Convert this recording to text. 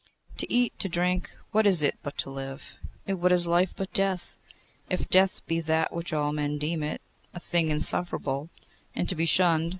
'To eat, to drink, what is it but to live; and what is life but death, if death be that which all men deem it, a thing insufferable, and to be shunned.